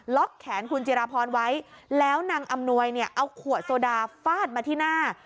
แขนคุณจิราพรไว้แล้วนางอำนวยเนี่ยเอาขวดโซดาฟาดมาที่หน้า